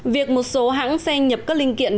việc một số hãng xe nhập các linh kiện